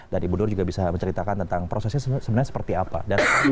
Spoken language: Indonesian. dan ibu nur juga bisa menceritakan tentang prosesnya sebenarnya seperti apa